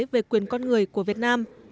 về quyền con người của việt nam